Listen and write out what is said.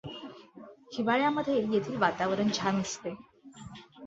हिवाळ्यामध्ये येथील वातावरण छान असते.